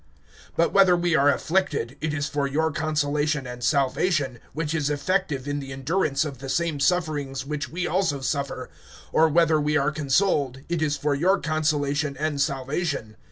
(6)But whether we are afflicted, it is for your consolation and salvation, which is effective in the endurance of the same sufferings which we also suffer; or whether we are consoled, it is for your consolation and salvation.